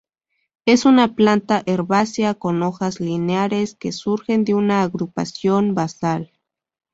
Es una planta herbácea con hojas lineares que surgen de una agrupación basal.